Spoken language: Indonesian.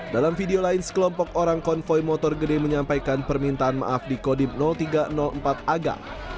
dalam video lain sekelompok orang konvoy motor gede menyampaikan permintaan maaf di kodim tiga ratus empat aga